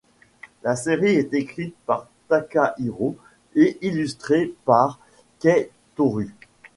La série est écrite par Takahiro et illustrée par Kei Toru.